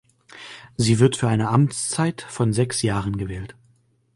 Sie wird für eine Amtszeit von sechs Jahren gewählt.